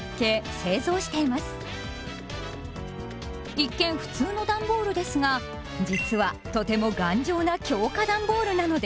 一見普通のダンボールですが実はとても頑丈な強化ダンボールなのです。